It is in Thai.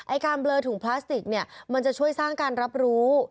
การเบลอถุงพลาสติกเนี่ยมันจะช่วยสร้างการรับรู้